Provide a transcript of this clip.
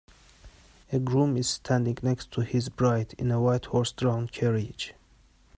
A groom is standing next to his bride in a white horse drawn carriage.